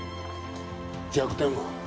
弱点は？